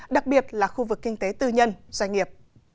đặc biệt là khu vực kinh tế tư nhân doanh nghiệp